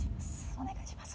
お願いします。